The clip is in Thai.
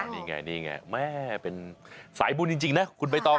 นี่ไงนี่ไงแม่เป็นสายบุญจริงนะคุณใบตอง